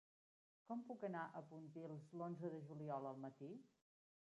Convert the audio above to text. Com puc anar a Pontils l'onze de juliol al matí?